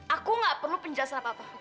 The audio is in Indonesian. aku gak perlu penjelasan apa apa